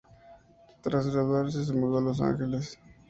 Tras graduarse se mudó a Los Ángeles.